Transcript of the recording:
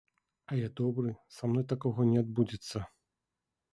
А я добры, са мной такога не адбудзецца.